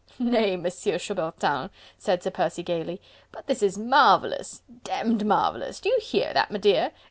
"Nay, Monsieur Chaubertin," said Sir Percy gaily, "but this is marvellous... demmed marvellous... do you hear that, m'dear?...